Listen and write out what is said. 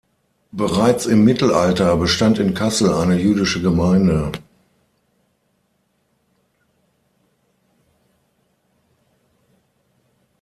Bereits im Mittelalter bestand in Kassel eine jüdische Gemeinde.